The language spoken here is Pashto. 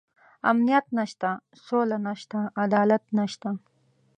امنيت نشته، سوله نشته، عدالت نشته.